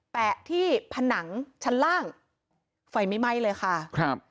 แปะที่ผนังชั้นล่างไฟไม่ไหม้เลยค่ะครับ